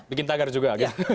bikin tagar juga